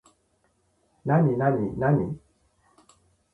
なになになに